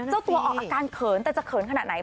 เจ้าตัวออกอาการเขินแต่จะเขินขนาดไหน